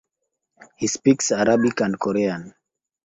He speaks Arabic and Korean.